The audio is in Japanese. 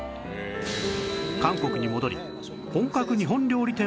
韓国に戻り本格日本料理店を開店！